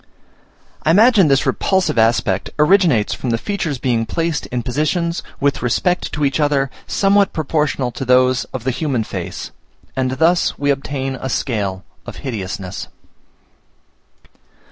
I imagine this repulsive aspect originates from the features being placed in positions, with respect to each other, somewhat proportional to those of the human face; and thus we obtain a scale of hideousness.